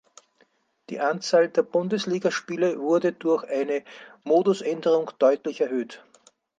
Die Anzahl der Bundesligaspiele wurde durch eine Modusänderung deutlich erhöht.